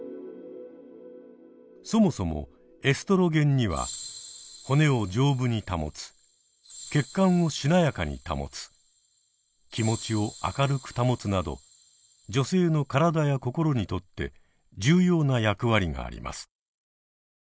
そもそもエストロゲンには骨を丈夫に保つ血管をしなやかに保つ気持ちを明るく保つなど女性の体や心にとって重要な役割があります。